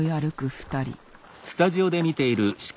２人。